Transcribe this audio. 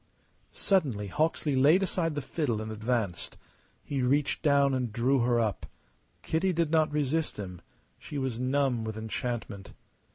Suddenly Hawksley laid aside the fiddle and advanced. He reached down and drew her up. Kitty did not resist him; she was numb with enchantment.